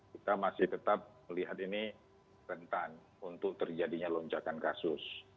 kita masih tetap melihat ini rentan untuk terjadinya lonjakan kasus